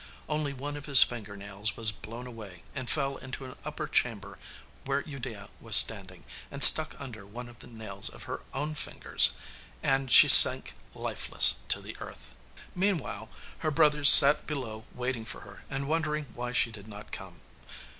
Only one of his finger nails was blown away, and fell into an upper chamber where Udea was standing, and stuck under one of the nails of her own fingers. And she sank lifeless to the earth. Meanwhile her brothers sat below waiting for her and wondering why she did not come.